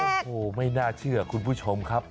โอ้โหไม่น่าเชื่อคุณผู้ชมครับ